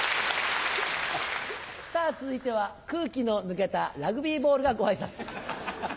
さぁ続いては空気の抜けたラグビーボールがご挨拶。